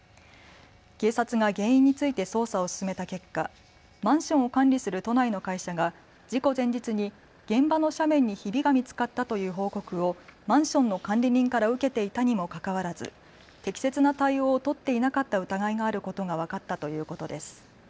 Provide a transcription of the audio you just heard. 警察が原因について捜査を進めた結果、マンションを管理する都内の会社が事故前日に現場の斜面にひびが見つかったという報告をマンションの管理人から受けていたにもかかわらず適切な対応を取っていなかった疑いがあることが分かったということです。